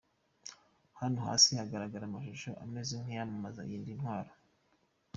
Hano hasi haragaragara amashusho ameze nk’iyamamaza ry’iyi ntwaro.